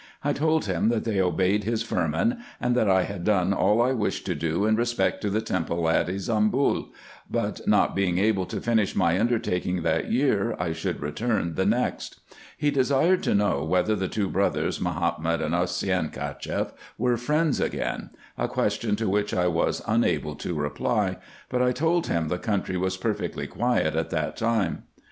I told him, that they obeyed his firman, and that I had done all I wished to do in respect to the temple at Ybsambul ; but not being able to finish my undertaking that year, I should return the next. He desired to know, whether the two brothers, Mahomet and Osseyn Cacheff, were friends again ; a question to which I was unable to reply ; but I told him the country was perfectly quiet at that time.